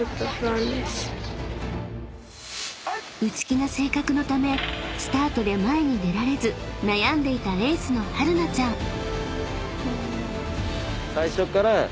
［内気な性格のためスタートで前に出られず悩んでいたエースのはるなちゃん］